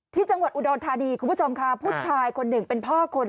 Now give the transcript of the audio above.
ที่จังหวัดอุดรธานีคุณผู้ชมค่ะผู้ชายคนหนึ่งเป็นพ่อคน